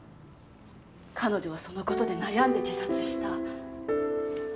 彼女はその事で悩んで自殺した。